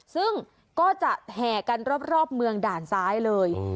ซึ่งก็จะแห่กันรอบเมืองด่านซ้ายเลย